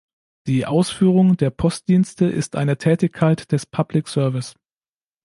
Die Ausführung der Postdienste ist eine Tätigkeit des "public-service" .